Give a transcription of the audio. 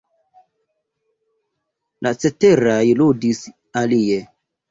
La ceteraj ludis alie.